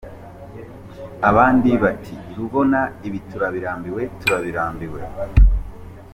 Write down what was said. Abandi bati: ”Rubona ibi turabirambiwe, turabirambiwe.